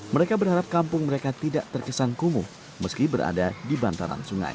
mereka berharap kampung mereka tidak terkesan kumuh meski berada di bantaran sungai